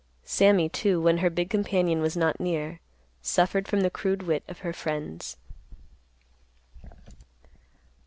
Sammy, too, when her big companion was not near, suffered from the crude wit of her friends.